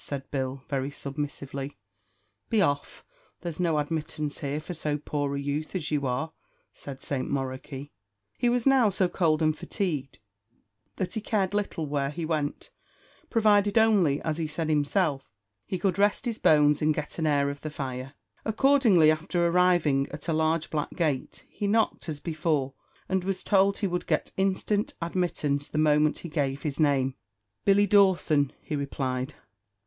said Bill, very submissively. "Be off; there's no admittance here for so poor a youth as you are," said St Moroky. He was now so cold and fatigued that he cared little where he went, provided only, as he said himself, "he could rest his bones, and get an air of the fire." Accordingly, after arriving at a large black gate, he knocked, as before, and was told he would get instant admittance the moment he gave his name. "Billy Dawson," he replied.